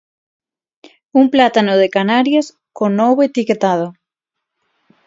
Un plátano de Canarias co novo etiquetado.